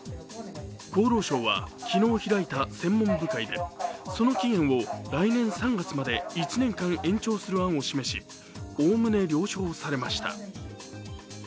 厚労省は昨日開いた専門部会でその期限を来年３月まで１年間延長するよう示し、おおむね了承されました。